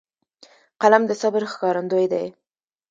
قلم د صبر ښکارندوی دی